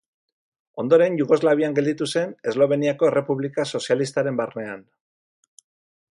Ondoren Jugoslavian gelditu zen, Esloveniako Errepublika Sozialistaren barnean.